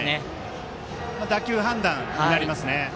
打球判断になりますね。